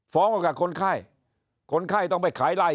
ออกจากคนไข้คนไข้ต้องไปขายไล่